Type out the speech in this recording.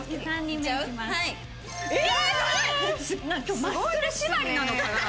今日マッスル縛りなのかな？